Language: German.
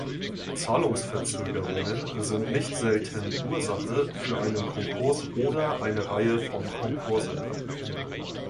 Zahlungsverzögerungen sind nicht selten Ursache für einen Konkurs oder eine Reihe von Konkursen.